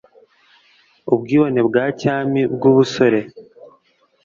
Ubwibone bwa cyami bwubusore